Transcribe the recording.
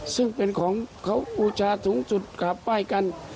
ซึ่งเป็นของเขาอุชาสูงสุดขาบป้ายกัน